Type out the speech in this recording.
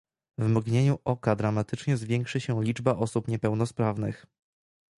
W mgnieniu oka dramatycznie zwiększy się liczba osób niepełnosprawnych